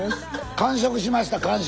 完食しました完食。